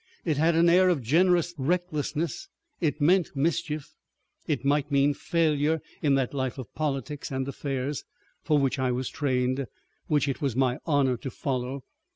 It had an air of generous recklessness. It meant mischief, it might mean failure in that life of politics and affairs, for which I was trained, which it was my honor to follow.